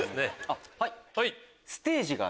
はい！